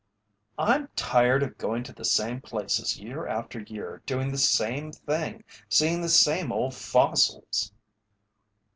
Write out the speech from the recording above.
"I'm tired of going to the same places year after year, doing the same thing, seeing the same old fossils!"